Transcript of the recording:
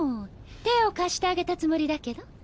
手を貸してあげたつもりだけど。